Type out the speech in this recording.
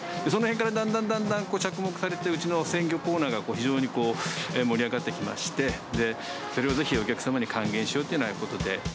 そのへんからだんだんだんだん着目されて、うちの鮮魚コーナーが非常に盛り上がってきまして、それをぜひ、お客様に還元しようというようなことで。